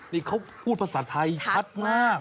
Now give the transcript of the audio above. นี่เขาพูดภาษาไทยชัดมาก